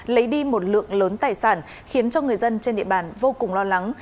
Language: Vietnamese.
lấy đi một lượng lớn tài sản khiến cho người dân trên địa bàn vô cùng lo lắng